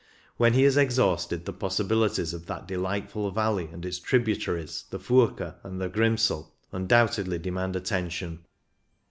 When he has exhausted the possibilities of that delightful valley and its tributaries, the Furka and the Grimsel undoubtedly demand attention.